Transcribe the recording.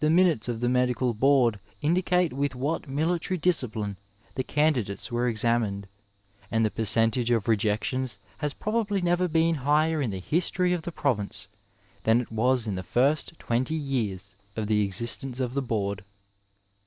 The minutes of the Medical Board indicate with what military discipline the candidates were examined, and the percentage of rejections has probably never been higher in the history of the province than it was in the first twenty years of the existence of the Board.